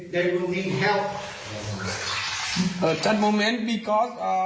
เพราะว่าถ้าทุกคนออกไปพวกมันต้องรับช่วง